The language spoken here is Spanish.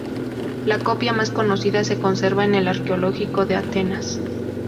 La copia más conocida se conserva en el Arqueológico de Atenas.